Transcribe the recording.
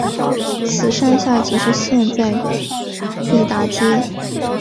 此山下即是现在的毕打街。